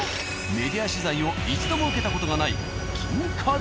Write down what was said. メディア取材を一度も受けた事がない「銀花堂」。